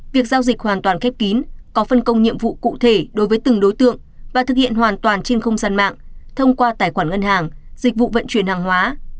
việc giao dịch hoàn toàn khép kín có phân công nhiệm vụ cụ thể đối với từng đối tượng và thực hiện hoàn toàn trên không gian mạng thông qua tài khoản ngân hàng dịch vụ vận chuyển hàng hóa